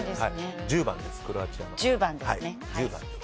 １０番です、クロアチアの。